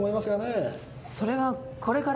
それはこれから。